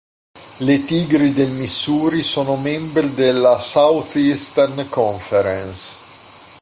Le Tigri del Missouri sono membri della "Southeastern Conference".